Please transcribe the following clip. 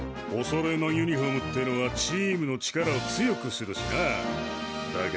おそろいのユニフォームってのはチームの力を強くするしな。